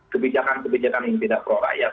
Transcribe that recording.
kebijakan kebijakan yang tidak pro rakyat